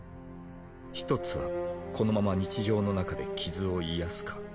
１つはこのまま日常の中で傷を癒やすか。